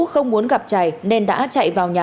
không muốn gặp trày nên đã chạy vào nhà